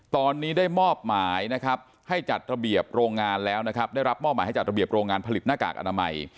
ตอนนี้ได้รับมอบหมายให้จัดระเบียบโรงงานผลิตหน้ากากอนามัย